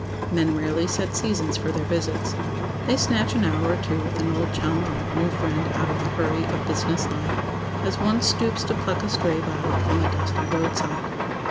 Men rarely set seasons for their visits. They snatch an hour or two with an old chum or new friend out of the hurry of business life, as one stoops to pluck a stray violet from a dusty roadside.